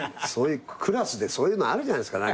クラスでそういうのあるじゃないですか。